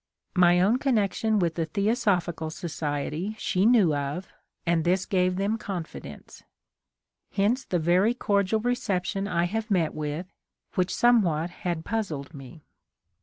My own connection with the Theosophical Society she knew of and this gave them confidence. Hence the very cordial reception I have met with, which somewhat had puzzled me.